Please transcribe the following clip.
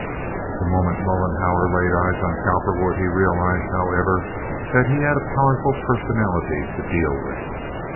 The moment Mollenhauer laid eyes on Cowperwood he realized, however, that he had a powerful personality to deal with.